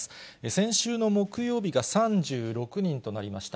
先週の木曜日が３６人となりました。